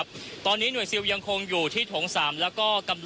คุณทัศนาควดทองเลยค่ะ